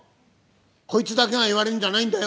こいつだけが言われるんじゃないんだよ！